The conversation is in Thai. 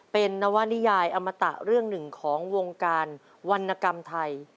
เป็นนวนิยายอมตะเรื่องหนึ่งของวงการวรรณกรรมไทย